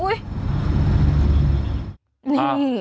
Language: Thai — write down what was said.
อู้หู